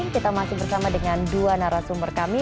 kita masih bersama dengan dua narasumber kami